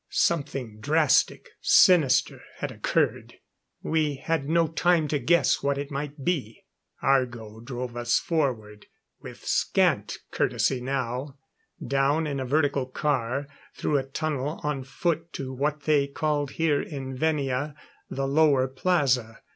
Something drastic, sinister, had occurred. We had no time to guess what it might be. Argo drove us forward, with scant courtesy now, down in a vertical car, through a tunnel on foot to what they called here in Venia the Lower Plaza.